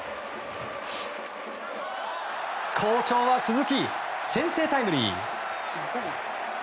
好調は続き、先制タイムリー。